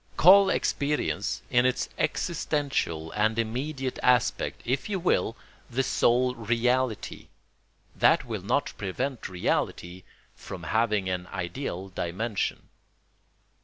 Call experience in its existential and immediate aspect, if you will, the sole reality; that will not prevent reality from having an ideal dimension.